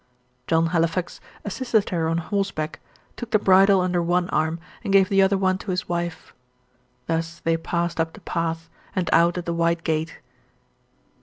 John Halifax assisted her on horseback, took the bridle under one arm and gave the other to his wife. Thus they passed up the path, and out at the White Gate.